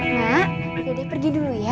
mak dede pergi dulu ya